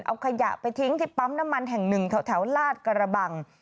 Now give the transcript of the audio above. เอาขยะไปทิ้งที่ปั๊มน้ำมันแห่งหนึ่งแถวลาดกระบัง